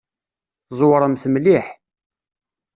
Tzewṛemt mliḥ!